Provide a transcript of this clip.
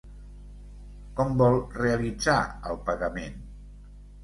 Com vol realitzar el pagament?